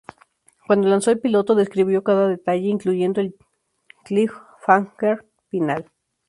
Cuando lanzó el piloto, describió cada detalle, incluyendo el cliffhanger final.